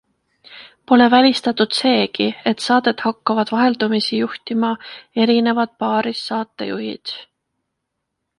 Pole välistatud seegi, et saadet hakkavad vaheldumisi juhtima erinevad paarissaatejuhid.